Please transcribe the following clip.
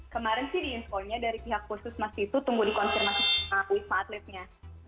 kemarin sih diinfo nya dari pihak puskesmas itu tunggu dikonservasi ke wisma atletnya